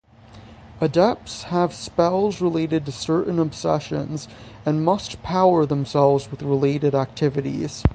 Adepts have spells related to certain obsessions, and must power themselves with related activities.